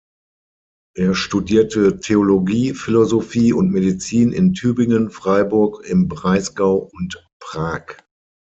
Er studierte Theologie, Philosophie und Medizin in Tübingen, Freiburg im Breisgau und Prag.